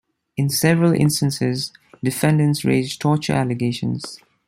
In several instances defendants raised torture allegations.